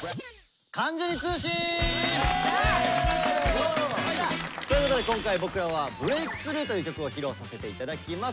よいしょ！ということで今回僕らは「ＢｒｅａｋＴｈｒｏｕｇｈ」という曲を披露させていただきます。